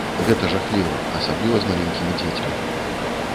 Гэта жахліва, асабліва з маленькімі дзецьмі.